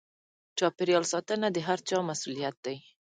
د چاپېريال ساتنه د هر چا مسووليت دی.